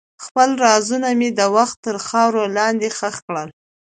خپل رازونه مې د وخت تر خاورو لاندې ښخ کړل.